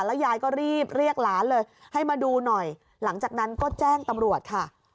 ยายก็รีบเรียกหลานเลยให้มาดูหน่อยหลังจากนั้นก็แจ้งตำรวจค่ะ